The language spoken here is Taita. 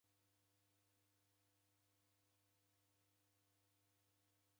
Sea aho mdinyi kusepotoke